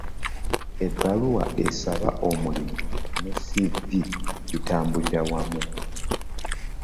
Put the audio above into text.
Ebbaluwa esaba omulimu ne CV bitambulira wamu.